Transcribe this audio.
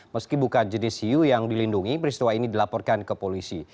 meski bukan jenis hiu yang dilindungi peristiwa ini dilaporkan ke polisi